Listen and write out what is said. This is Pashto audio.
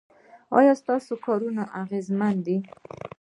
ایا ستاسو کارونه اغیزمن دي؟